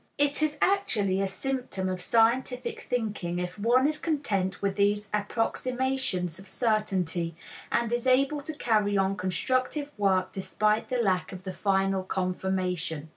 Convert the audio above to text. It is actually a symptom of scientific thinking if one is content with these approximations of certainty and is able to carry on constructive work despite the lack of the final confirmation.